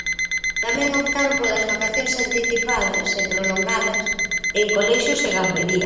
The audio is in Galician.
Tamén optaron polas vacacións anticipadas e prolongadas en colexios e garderías.